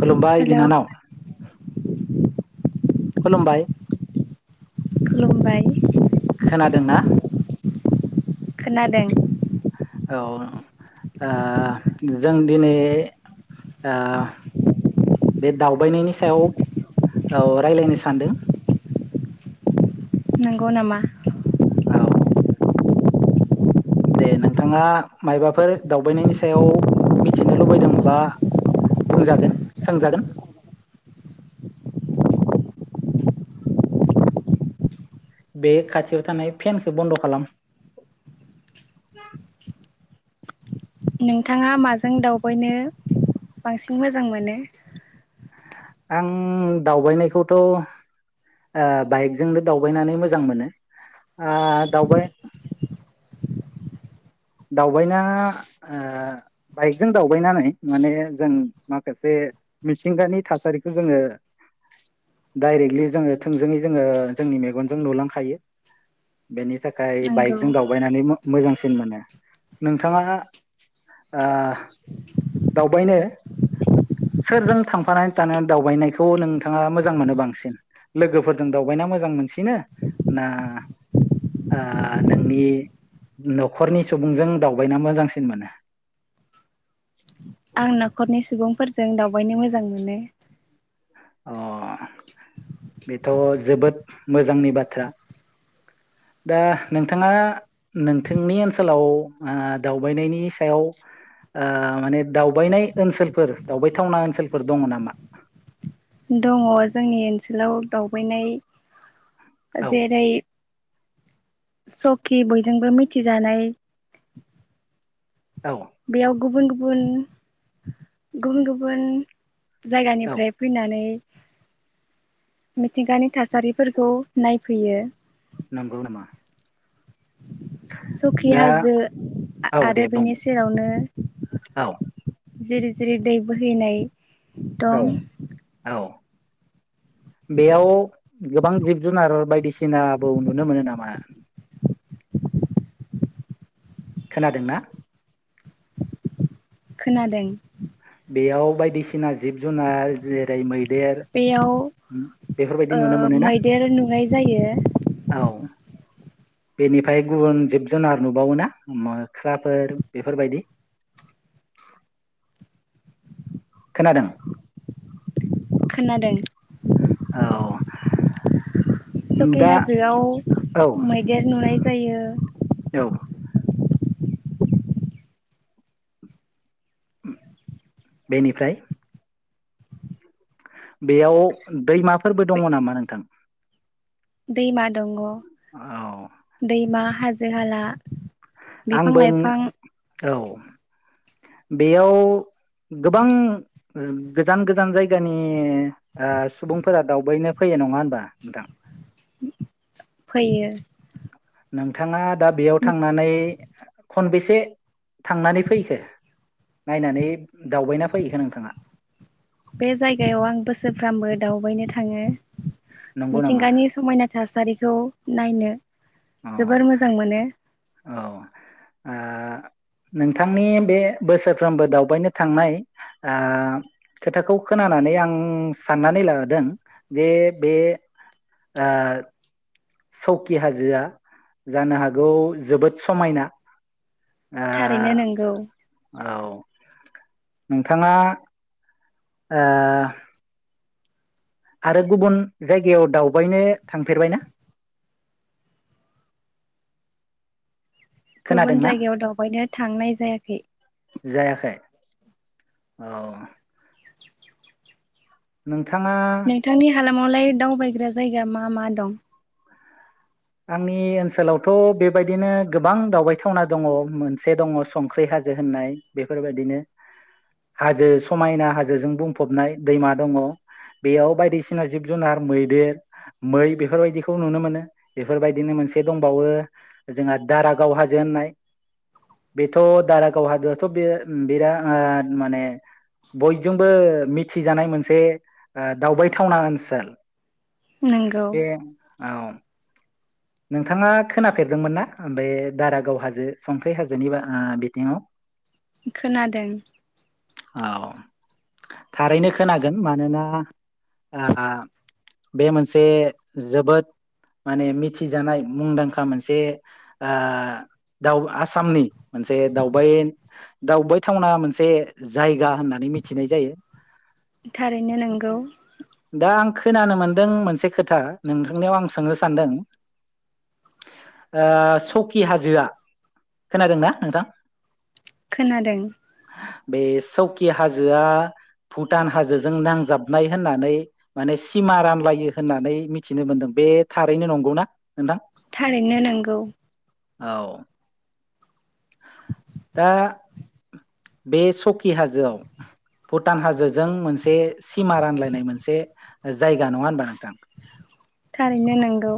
खुलुमबाय हेलौ बिनानाव। खुलुमबाय। खुलुमबाय। खोनादोंना? खोनादों। औ ओ जों दिनै ओ बे दावबायनायनि सायाव औ रायलायनो सानदों। नंगौ नामा। औ। दे नोंथाङा मायबाफोर दावबायनायनि सायाव मिथिनो लुबैदोंबा बुंजागोन सोंजागोन। बे खाथियाव थानाय फेनखौ बन्द' खालाम। नोंथाङा माजों दावबायनो बांसिन मोजां मोनो? आं दावबायनायखौथ' ओ बाइकजोंनो दावबायनानै मोजां मोनो ओ दावबाय दावबायना ओ बाइकजों दावबायनानै माने जों माखासे मिथिंगानि थासारिखौ जोङो दाइरेक्टलि जोङो थोंजोङै जोङो जोंनि मेगनजों नुलांखायो बेनि थाखाय बाइक नंगौ जों दावबायनानै मो मोजांसिन मोनो। नोंथाङा ओ दावबायनो। सोरजों थांफानानै थानानै दावबायनायखौ नोंथाङा मोजां मोनो बांसिन लोगोफोरजों दावबायना मोजां मोनसिनो ना ओ नोंनि न'खरनि? सुबुंजों दावबायना मोजांसिन मोनो। आं न'खरनि सुबुंफोरजों दावबायनो मोजां मोनो। अ। बेथ' जो जोबोद मोजांनि बाथ्रा दा नोंथाङा नोंथांनि ओनसोलाव दावबायनायनि सायाव माने दावबायनाय ओनसोलफोर दावबायथावना ओनसोलफोर दङ नामा? दङ जोंनि ओनसोलाव दावबायनाय औ जेरै सकि बयजोंबो मिथिजानाय औ बेयाव गुबुन गु बुन गुबुन गुबुन औ जायगानिफ्राय फैनानै मिथिंगानि थासारिफोरखौ नायफैयो। नंगौ नामा? सखि दा हाजो आ औ दे आरो बुं बेनि सेरावनो औ जिरि जिरि दै बोहैनाय औ दं औ बेयाव गोबां जिब जुनार बायदिसिनाबो नुनो मोनो नामा? खोनादोंना? खोनादों। बेयाव बायदि सिना जिब जुनार जेरै मैदेर बेयाव बेफोरबायदि नुनो ओ मोनोना? मैदेर नुनाय जायो औ बेनिफाय गुबुन जिब जुनार नुबावोना मोख्राफोर बेफोरबायदि खोनादों खोनादों औ सकि दा हाजोआव औ मैदेर नुनाय जायो। औ बेनिफ्राय बेयाव दैमाफोरबो दङ नामा नोंथां? दैमा दङ। औ दैमा हाजो हाला बिफां आंबो लाइफां औ बेयाव गोबां गोजान गोजान जायगानि ओ सुबुंफोरा दावबायनो फैयो नङा होनबा नोंथां। फैयो नोंथाङा दा बेयाव थांनानै खनबेसे थांनानै फैखो नायनानै? दावबायना फैखो नोंथाङा बे जायगायाव आं बोसोरफ्रामबो दावबायनो थाङो। नंगौ नामा? मिथिंगानि समायना थासारिखौ नायनो औ जोबोर मोजां मोनो। औ ओ नोंथांनि बे बोसोरफ्रोमबो दावबायनो थांनाय ओ खोथाखौ खोनानानै आं साननानै लादों जे बे ओ सौकि हाजोआ जानो हागौ जोबोद समायना ओ थारैनो नोंगौ औ नोंथाङा ओ आरो गुबुन जायगायाव दावबायनो थांफेरबायना? गुबुन खोनादोंना जायगायाव दावबायनो थांनाय जायाखै जायाखै औ नों नोंथांनि हालामावलाय दावबायग्रा जायगा मा मा दं? आंनि ओनसोलावथ बेबायदिनो गोबां दावबायथावना दङ मोनसे दङ संख्रि हाजो होननाय बेफोरबायदिनो हाजो समायना हाजोजों बुंफबनाय दैमा दङ बेयाव बायदिसिना जिब जुनार मैदेर मै बेफोरबायदिखौ नुनो मोनो बेफोरबायदिनो मोनसे दंबावो जोंहा दारागाव हाजो होननाय बेथ' दारागाव हाजोआथ बे ओ बिराद माने बयजोंबो मिथिजानाय मोनसे ओ दावबायथावना ओनसोल नोंगौ बे औ नोंथाङा खोनाफेरदोंमोन ना बे दारागाव हाजो संख्रि हाजोनि ओ बिथिङाव? खोनादों औ थारैनो खोनागोन मानोना ओ बे मोनसे जोबोद माने मि मिथि जानाय मुंदांखा मोनसे ओ दाव आसामनि मोनसे दावबाय दावबायथावना मोनसे जायगा होननानै मिथिनाय जायो थारैनो नंगौ दा आं खोनानो मोन्दों मोनसे खोथा नोंथांनियाव आं सोंनो सानदों ओ सौकि हाजोआ खोनादोंना नोंथां? खोनादों सौकि हाजोआ भुटान हाजोजों नांजाबनाय होननानै माने सिमा रानलायो होननानै मिथिनो मोनदों बे थारैनो नंगौना? नोथां थारैनो नोंगौ औ दा बे सौकि हाजोआव भुटान हाजोजों मोनसे सिमा रानलायनाय मोनसे जायगा नङा होनबा नोंथां थारैनो नांगौ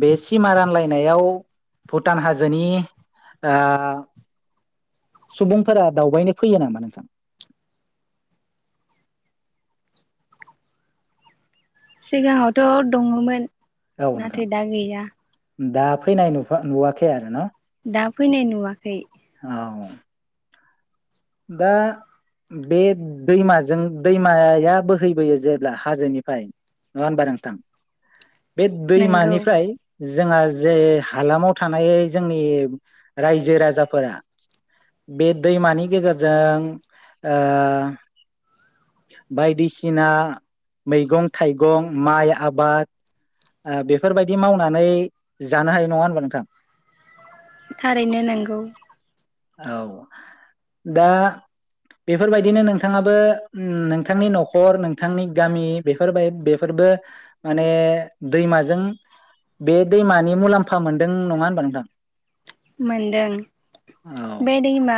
बे सिमा रानलायनायाव भुटान हाजोनि ओ सुबुंफोरा दावबायनो फैयो नामा नोंथां? सिगाङावथ दङमोन औ नोंथां नथाय दा गैया दा फैनाय नुवा नुवाखै आरो ना दा फैनाय नुवाखै औ दा बे दैमाजों दैमाया बोहैबोयो जेब्ला हाजोनिफ्राय नङा होनबा नोंथां बे नंगौ दैमानिफ्राय जोंहा जे हालामाव थानाय जोंनि रायजो राजाफोरा बे दैमानि गेजेरजों जों ओ बायदिसिना मैगं थाइगं माइ आबाद बेफोरबायदि मावनानै जानो हायो नङा होनबा नोंथां? थारैनो नोंगौ औ दा बेफोरबायदिनो नोंथाङाबो उम नोंथांनि नखर नोंथांनि गामि बेफोरबाय बेफोरबो माने दैमाजों बे दैमानि मुलाम्फा मोनदों नङा होनबा नोंथां? मोनदों औ बै दैमा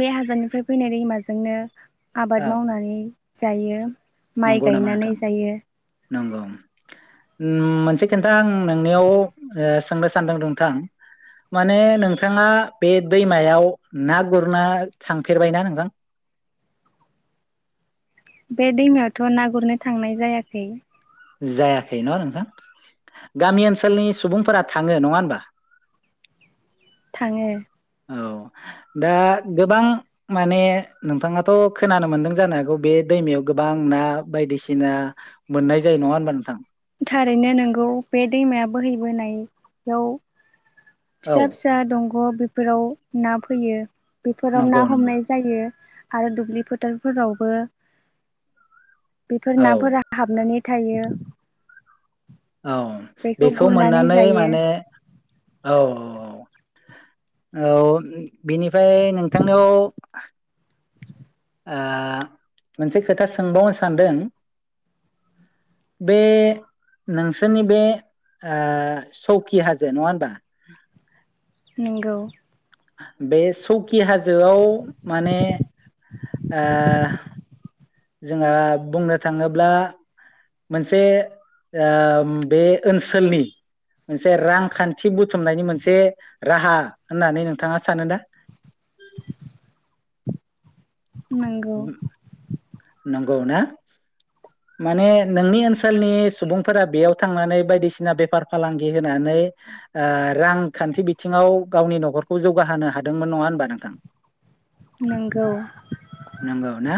बे हाजोनिफ्राय फैनाय दैमाजोंनो आबाद औ मावनानै जायो। माइ नंगौ नामा गायनानै नोंथां जायो। नंगौ उम मोनसे खोन्था आं नोंनियाव ओ सोंनो सानदों नोंथां माने नोंथाङा बे दैमायाव ना गुरना थांफेरबायना नोंथां? बे दैमायावथ' ना गुरनो थांनाय जायाखै। जायाखै ना नोंथां गामि ओनसोलनि सुबुंफोरा थाङो नङा होनबा? थाङो। औ दा गोबां माने नोंथाङाथ' खोनानो मोनदों जानो हागौ बे दैमायाव गोबां ना बायदिसिना मोननाय जायो नङा होनबा नोंथां? थारैनो नोंगौ बे दैमाया बोहैबोनाययाव औ फिसा फिसा दंग' बे फोराव ना फैयो। बेफोराव नंगौ ना नंगौ हमनाय जायो। आरो दुब्लि फोथारफोरावबो बेफोर औ नाफोरा हाबनानै थायो। औ बेखौ गुरनानै मोननानै जायो माने औ औ औ औ बेनिफ्राय नोंथांनाव ओ मोनसे खोथा सोंबावनो सानदों बे नोंसोरनि बे ओ‌ सौकि हाजो नङा होनबा नोंगौ। बे सौकि हाजोआव माने ओ जोंहा बुंनो थाङोब्ला मोनसे ओम बे ओनसोलनि मोनसे रांखान्थि बुथुमनायनि मोनसे राहा होननानै नोंथाङा सानो ना? नोंगौ। नंगौ ना माने नोंनि ओनसोलनि सुबुंफोरा बेयाव थांनानै बायदिसिना बेफार फालांगि होनानै ओ रांखान्थि बिथिङाव गावनि न'खरखौ जौगाहोनो हादोंमोन नङा होनबा नोंथां? नोंगौ। नंगौ ना?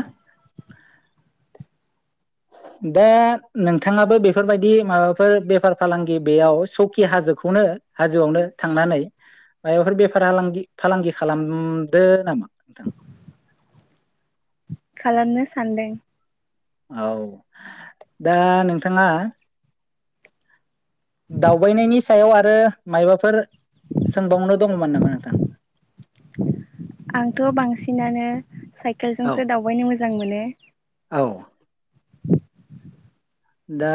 दा नोंथाङाबो बेफोरबायदि माबाफोर बेफार फालांगि बेयाव सौकि हाजोखौनो हाजोआवनो थांनानै मायबाफोर बेफार आलांगि फालांगि खालामदो नामा नोंथां? खामनो सानदों। औ दा नों थाङा दावबायनायनि सायाव आरो मायबाफोर सोंबावनो दङमोन नामा नोंथां? आंथ' बांसिनानो औ साइकेलजोंसो दावबायनो मोजां मोनो। औ दा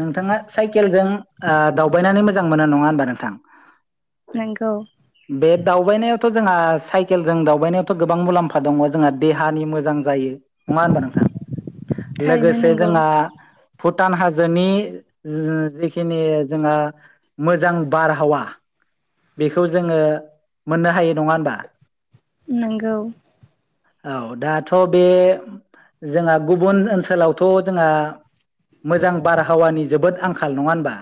नोंथाङा साइकेलजों ओ दावबायनानै मोजां मोनो नङा होनबा नोंथां? नंगौ बे दावबायनाय जोंहा साइकेलजों दावबायनायावथ' गोबां मुलाम्फा दङ'। जोंहा देहानि मोजां जायो नङा होनबा नोंथां? थारैनो लोगोसे नंगौ जोंहा भुटान हाजोनि ओ जिखिनि जोंहा मोजां बारहावा बेखौ जोङो मोननो हायो नङा होनबा? नोंगौ औ दाथ' बे जोंहा गुबुन ओनसोलावथ' जोंहा मोजां बारहावानि जोबोद आंखाल नङा होनबा?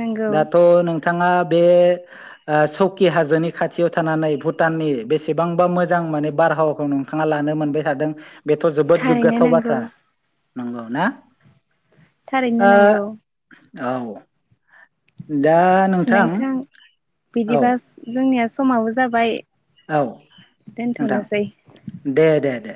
नंगौ दाथ' नोंथाङा बे सौकि हाजोनि खाथियाव थानानै भुटाननि बेसेबांबा मोजां माने बारहावाखौ नोंथाङा लानो मोनबाय थादों। बेथ' जोबोद थारैनो गोग्गाथाव नंगौ बाथ्रा। नंगौ ना? थारैनो ओ नोंगौ। औ नोंथां औ बिदिबा जोंनिया समाबो जाबाय औ नोंथां दोनथ'नोसै दे दे दे।